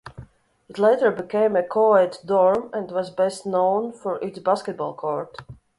It later became a co-ed dorm and was best known for its basketball court.